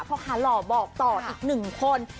พ่อค้าหล่อบอกต่ออีกหนึ่งคน